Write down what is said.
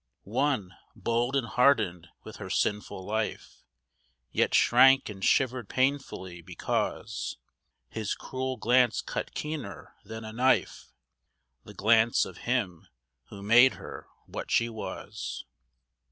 One, bold and hardened with her sinful life, Yet shrank and shivered painfully, because His cruel glance cut keener than a knife, The glance of him who made her what she was.